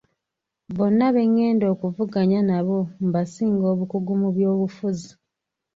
Bonna be ngenda okuvuganya nabo mbasinga obukugu mu by'obufuzi.